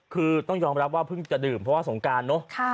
คือต้องยอมรับว่าเพิ่งจะดื่มเพราะว่าสงการเนอะ